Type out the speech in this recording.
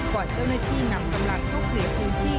ก่อนเจ้าหน้าที่นำกำลังเข้าเคลียร์พื้นที่